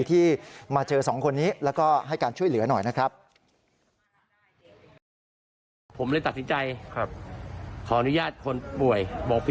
ที่มาเจอสองคนนี้แล้วก็ให้การช่วยเหลือหน่อยนะครับ